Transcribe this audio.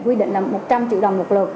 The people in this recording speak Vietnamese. quy định là một trăm linh triệu đồng một lượt